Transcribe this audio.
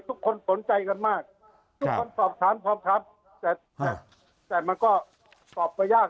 ทุกคนสนใจกันมากทุกคนสอบถามพร้อมครับแต่มันก็ตอบไปยาก